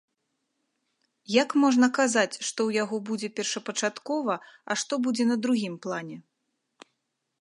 Як можна казаць, што ў яго будзе першапачаткова, а што будзе на другім плане?